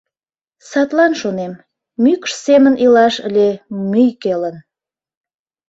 Садлан шонем: мӱкш семын илаш ыле мӱй келын...